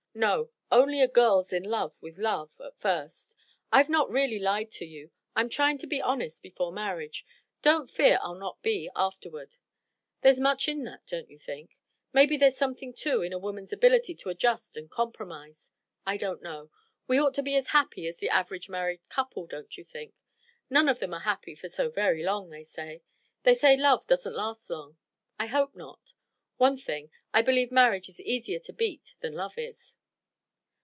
"No. Only a girl's in love with love at first. I've not really lied to you. I'm trying to be honest before marriage. Don't fear I'll not be afterward. There's much in that, don't you think? Maybe there's something, too, in a woman's ability to adjust and compromise? I don't know. We ought to be as happy as the average married couple, don't you think? None of them are happy for so very long, they say. They say love doesn't last long. I hope not. One thing, I believe marriage is easier to beat than love is."